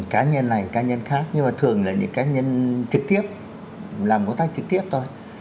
cá nhân này cá nhân khác nhưng mà thường là những cá nhân trực tiếp làm công tác trực tiếp thôi